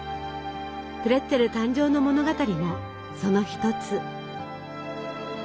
プレッツェル誕生の物語もその一つ。